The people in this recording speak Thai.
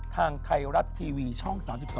ทางไทยรัฐทีวีช่อง๓๒